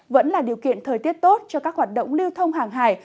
vẫn là điều kiện thời tiết tốt cho các hoạt động lưu thông hàng hải